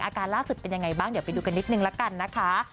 อาการล่าสุดเป็นยังไงบ้างเดี๋ยวไปดูกันนิดนึงละกันนะคะ